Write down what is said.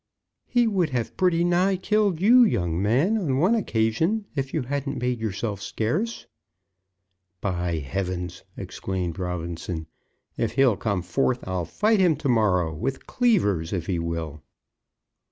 "He would have pretty nigh killed you, young man, on one occasion, if you hadn't made yourself scarce." "By heavens!" exclaimed Robinson, "if he'll come forth, I'll fight him to morrow; with cleavers, if he will!"